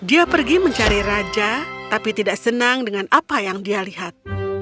dia pergi mencari raja tapi tidak senang dengan apa yang dia lihat